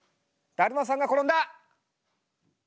だるまさんが転んだ！